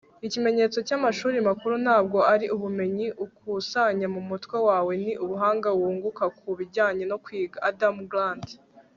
ikimenyetso cy'amashuri makuru ntabwo ari ubumenyi ukusanya mumutwe wawe. ni ubuhanga wunguka ku bijyanye no kwiga. - adam grant